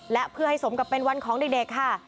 และเพื่อให้สมกับเป็นวันของเด็กค่ะ